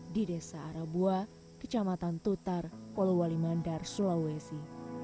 di desa arabua kecamatan tutar polowali mandar sulawesi